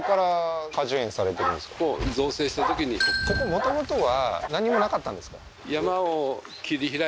ここもともとは何もなかったんですか？